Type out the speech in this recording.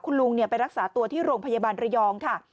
คุณลุงไปรักษาตัวที่โรงพยาบาลระยองค่ะ